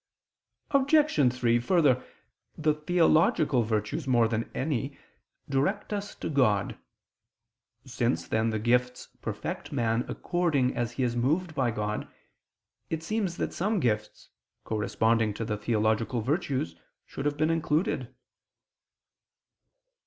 Obj. 3: Further, the theological virtues, more than any, direct us to God. Since, then, the gifts perfect man according as he is moved by God, it seems that some gifts, corresponding to the theological virtues, should have been included.